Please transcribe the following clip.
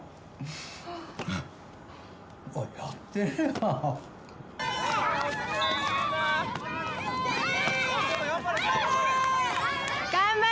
おっ、やってるな。